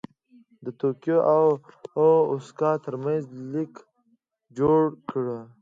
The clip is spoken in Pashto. د توکیو او اوساکا ترمنځ لیکه جوړه کړه.